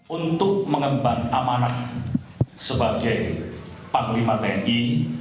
untuk mengemban amanah sebagai panglima tni